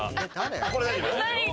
これ大丈夫？